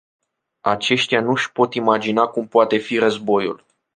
Aceștia nu-și pot imagina cum poate fi războiul.